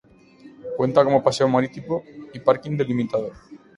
Cuenta con paseo marítimo y parking delimitado.